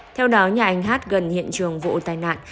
theo đó nhà anh hát gần hiện trường vụ tai nạn